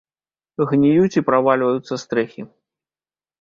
Гніюць і правальваюцца стрэхі.